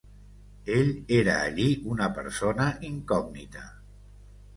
Ell era allí una persona incògnita.